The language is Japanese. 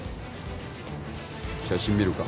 写真見るか？